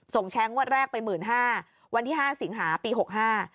แชมป์งวดแรกไปหมื่นห้าวันที่ห้าสิงหาปีหกห้า